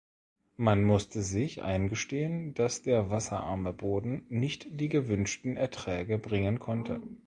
Man musste sich eingestehen, dass der wasserarme Boden nicht die gewünschten Erträge bringen konnte.